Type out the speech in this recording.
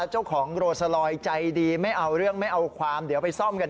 เจ้าของโรซาลอยใจดีไม่เอาเรื่องไม่เอาความเดี๋ยวไปซ่อมกัน